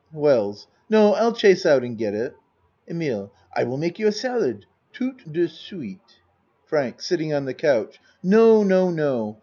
WELLS No, I'll chase out and get it. EMILE I will make you a salad, toute de suite. FRANK (Sitting on the couch.) No no no.